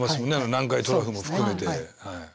南海トラフも含めて。